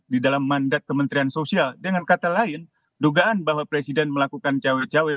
di dalam mandat kementerian sosial dengan kata lain dugaan bahwa presiden melakukan cawe cawe